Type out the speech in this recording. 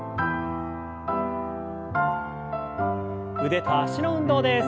腕と脚の運動です。